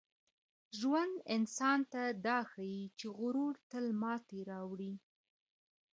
ژوند انسان ته دا ښيي چي غرور تل ماتې راولي.